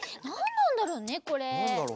なんだろうね？